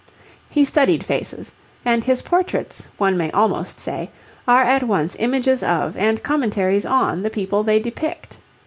He studied faces, and his portraits, one may almost say, are at once images of and commentaries on the people they depict.